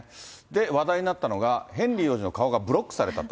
話題になったのが、ヘンリー王子の顔がブロックされたと。